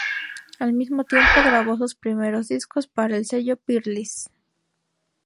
Al mismo tiempo, grabó sus primeros discos para el sello Peerless.